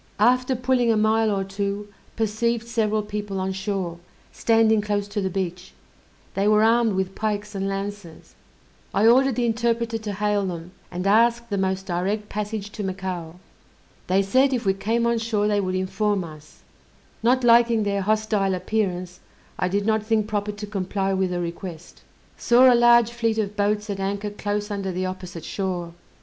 After pulling a mile or two perceived several people on shore, standing close to the beach; they were armed with pikes and lances. I ordered the interpreter to hail them, and ask the most direct passage to Macao. They said if we came on shore they would inform us; not liking their hostile appearance, I did not think proper to comply with the request. Saw a large fleet of boats at anchor close under the opposite shore.